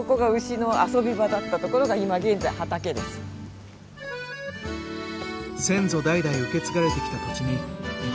ここが先祖代々受け継がれてきた土地に畑を作り